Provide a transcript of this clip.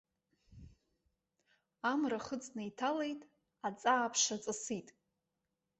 Амра хыҵны иҭалеит, аҵааԥша ҵысит.